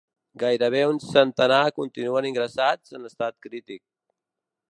Gairebé un centenar continuen ingressats en estat crític.